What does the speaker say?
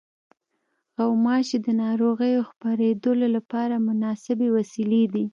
غوماشې د ناروغیو خپرېدلو لپاره مناسبې وسیلې دي.